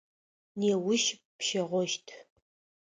Неущ пщэгъощт.